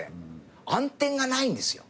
暗転がないんですよ。